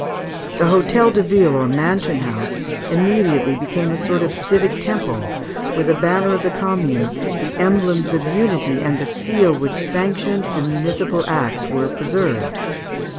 The hôtel de ville, or mansion house, immediately became a sort of civic temple, where the banner of the Commune, the emblems of unity, and the seal which sanctioned the municipal acts were preserved.